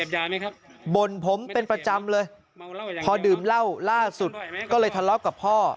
บ่นผมเป็นประจำเลยพอดื่มเหล้าล่าสุดก็เลยทะเลาะกับพ่อ